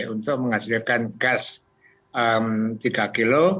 untuk menghasilkan gas tiga kg